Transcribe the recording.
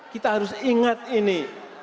kita harus ingat ini